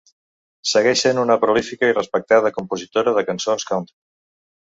Segueix sent una prolífica i respectada compositora de cançons country.